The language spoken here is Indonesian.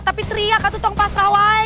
tapi teriak katu tong pasrawai